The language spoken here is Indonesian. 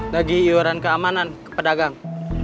lagi iwaran keamanan ke pedagang